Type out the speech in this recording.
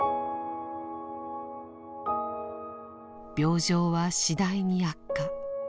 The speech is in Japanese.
病状は次第に悪化。